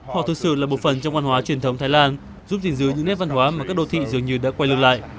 họ thực sự là một phần trong văn hóa truyền thống thái lan giúp gìn giữ những nét văn hóa mà các đô thị dường như đã quay lưng lại